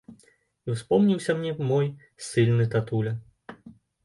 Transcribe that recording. І ўспомніўся мне мой ссыльны татуля.